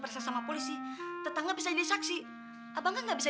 biar kelihatan sakit ya nangis